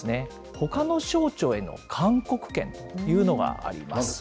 ほかの省庁への勧告権というのがあります。